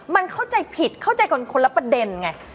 มันเข้าใจผิดเข้าใจคนละประเด็นไง